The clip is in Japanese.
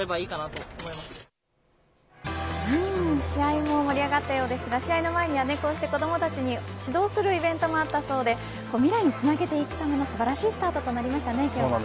試合も盛り上がったようですが試合の前にはこうして子どもたちに指導するイベントもあったそうで未来につなげていくための素晴らしいスタートでしたね。